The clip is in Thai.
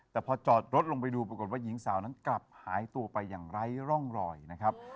แต่พอจอดรถลงไปดูปรากฏว่าหญิงสาวนั้นกลับหายตัวไปอย่างไร้ร่องรอยนะครับ